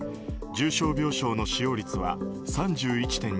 重症病床の使用率は３１．２％。